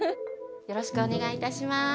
よろしくお願いします。